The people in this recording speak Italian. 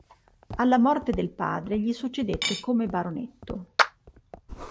Alla morte del padre gli succedette come Baronetto.